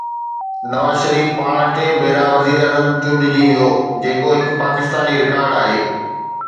نواز شريف پاڻ ٽي ڀيرا وزيراعظم چونڊجي ويو، جيڪو هڪ پاڪستاني رڪارڊ آهي.